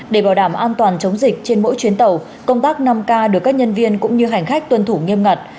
để bảo đảm an toàn chống dịch trên mỗi chuyến tàu công tác năm k được các nhân viên cũng như hành khách tuân thủ nghiêm ngặt